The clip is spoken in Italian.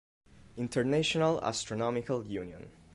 International Astronomical Union.